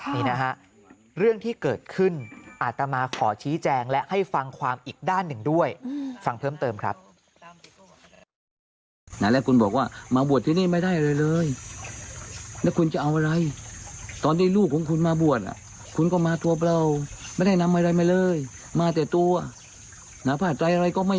นี่นะฮะเรื่องที่เกิดขึ้นอัตมาขอชี้แจงและให้ฟังความอีกด้านหนึ่งด้วย